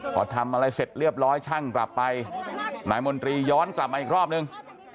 พอทำอะไรเสร็จเรียบร้อยช่างกลับไปนายมนตรีย้อนกลับมาอีกรอบนึง